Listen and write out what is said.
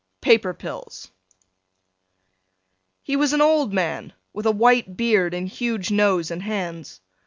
PAPER PILLS He was an old man with a white beard and huge nose and hands.